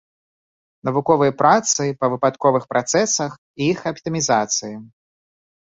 Навуковыя працы па выпадковых працэсах і іх аптымізацыі.